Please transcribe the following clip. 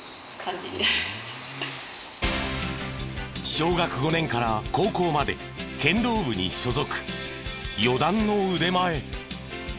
小学５年から高校まで剣道部に所属。